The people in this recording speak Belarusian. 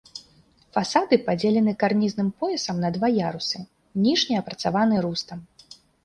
Фасады падзелены карнізным поясам на два ярусы, ніжні апрацаваны рустам.